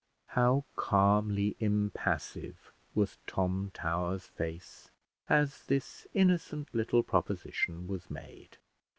How calmly impassive was Tom Towers' face, as this innocent little proposition was made!